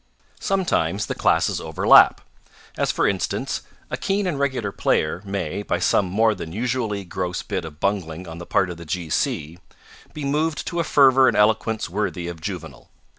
Sometimes the classes overlap. As for instance, a keen and regular player may, by some more than usually gross bit of bungling on the part of the G. C., be moved to a fervour and eloquence worthy of Juvenal.